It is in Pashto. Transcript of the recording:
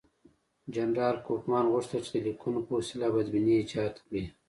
جنرال کوفمان غوښتل چې د لیکونو په وسیله بدبیني ایجاد کړي.